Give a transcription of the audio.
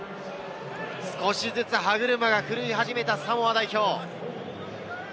少しずつ歯車が狂い始めたサモア代表。